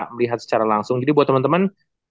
melihat secara langsung jadi buat temen temen